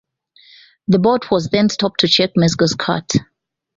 The bout was then stopped to check Mezger's cut.